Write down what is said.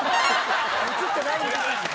写ってないんだ。